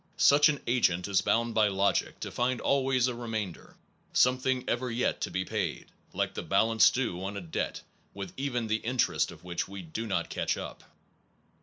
Such an agent is bound by logic to find always a remainder, something ever yet to be paid, like the balance due on a debt \vith even the interest of which we do not catch up.